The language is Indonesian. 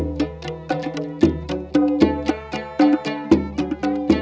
untuk beberapa masalah yang bisa pengelakkanzesa kiwimali